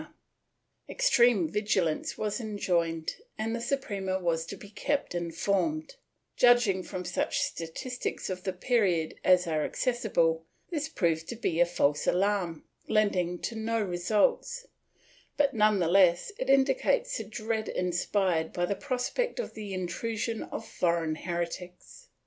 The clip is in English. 472 PROTESTANTISM [Book VIII Extreme vigilance was enjoined and the Suprema was to be kept informed/ Judging from such statistics of the period as are accessible, this proved to be a false alarm, leading to no results, but none the less it indicates the dread inspired by the prospect of the intrusion of foreign heretics.